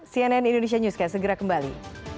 cnn indonesia newscast segera kembali